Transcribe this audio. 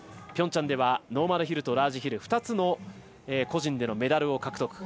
ピョンチャンではノーマルヒルとラージヒル２つの個人でのメダルを獲得。